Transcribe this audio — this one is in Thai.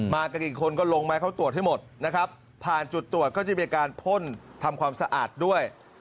กันกี่คนก็ลงมาเขาตรวจให้หมดนะครับผ่านจุดตรวจก็จะมีการพ่นทำความสะอาดด้วย